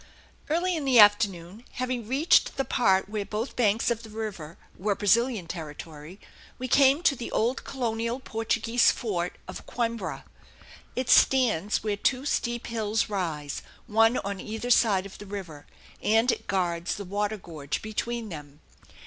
Early in the afternoon, having reached the part where both banks of the river were Brazilian territory, we came to the old colonial Portuguese fort of Coimbra. It stands where two steep hills rise, one on either side of the river, and it guards the water gorge between them.